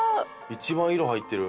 一番色入ってる。